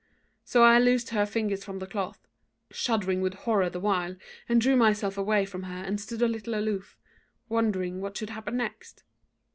So I loosed her fingers from the cloth, shuddering with horror the while, and drew myself away from her and stood a little aloof, wondering what should happen next.